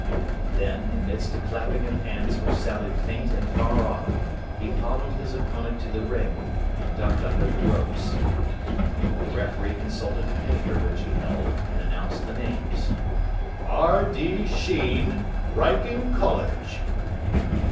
Then, amidst a clapping of hands which sounded faint and far off, he followed his opponent to the ring, and ducked under the ropes. The referee consulted a paper which he held, and announced the names. "R. D. Sheen, Wrykyn College."